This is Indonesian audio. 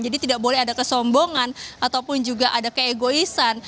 jadi tidak boleh ada kesombongan ataupun juga ada keegoisan